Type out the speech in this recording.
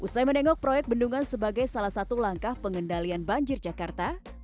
usai menengok proyek bendungan sebagai salah satu langkah pengendalian banjir jakarta